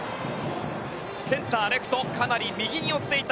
センター、レフト、かなり右に寄っていった。